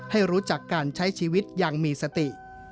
ให้รู้จักการใช้ชีวิตอย่างมีสติ